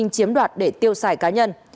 chiếm đoạt để tiêu xài cá nhân